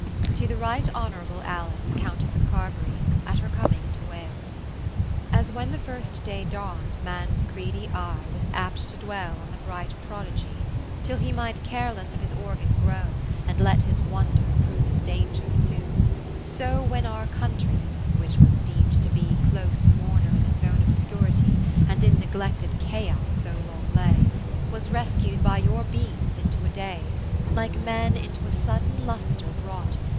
To the Right Honourable AHce Countess of Carbery, at her coming into Wales As when the first day dawn'd, Man's greedy eye Was apt to dwell on the bright pro digy, Till he might careless of his organ grow, And let his wonder prove his danger too : So when our country (which was deem'd to be Close mourner in its own obscurity, And in neglected Chaos so long lay) Was rescu'd by your beams into a day. Like men into a sudden lustre brought.